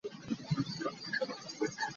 Na sunparnak kha langhter tuah.